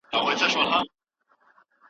سیاست پوهنه د پوهې یو لوی ډګر دی.